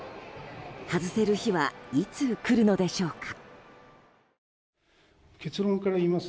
外せる日はいつ来るのでしょうか。